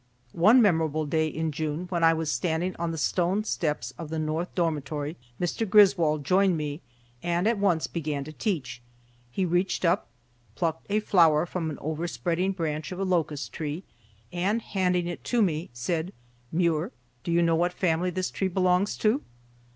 One memorable day in June, when I was standing on the stone steps of the north dormitory, Mr. Griswold joined me and at once began to teach. He reached up, plucked a flower from an overspreading branch of a locust tree, and, handing it to me, said, "Muir, do you know what family this tree belongs to?"